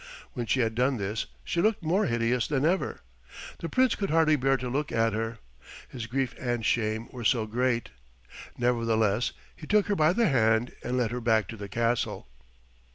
When she had done this she looked more hideous than ever. The Prince could hardly bear to look at her, his grief and shame were so great. Nevertheless he took her by the hand and led her back to the castle.